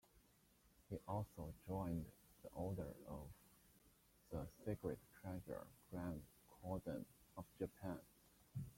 He also joined the Order of the Sacred Treasure, Grand Cordon, of Japan.